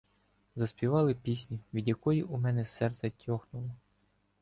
Заспівали пісню, від якої у мене серце тьохнуло.